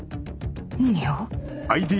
何を？